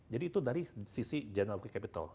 jadi itu dari sisi general working capital